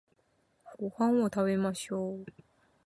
ご飯を食べましょう